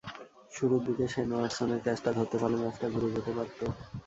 শুরুর দিকে শেন ওয়াটসনের ক্যাচটা ধরতে পারলে ম্যাচটা ঘুরে যেতে পারত।